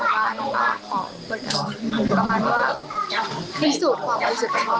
อยากให้สังคมรับรู้ด้วย